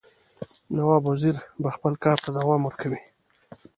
نواب وزیر به خپل کارته دوام ورکوي.